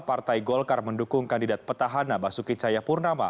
partai golkar mendukung kandidat petahana basuki cahaya purnama